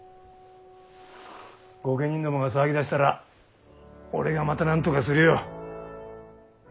御家人どもが騒ぎだしたら俺がまたなんとかするよ。